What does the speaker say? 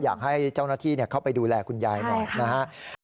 อยากให้เจ้าหน้าที่เข้าไปดูแลคุณยายหน่อยนะครับ